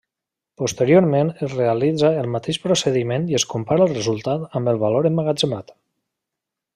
Posteriorment es realitza el mateix procediment i es compara el resultat amb el valor emmagatzemat.